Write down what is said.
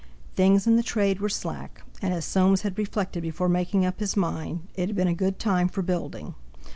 Things in the trade were slack; and as Soames had reflected before making up his mind, it had been a good time for building.